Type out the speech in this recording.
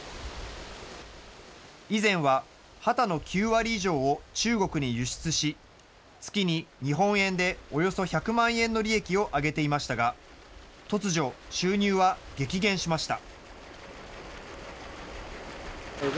以前はハタの９割以上を中国に輸出し、月に日本円でおよそ１００万円の利益を上げていましたが、突如、収入は激減しました。